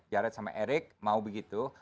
jared sama eric mau begitu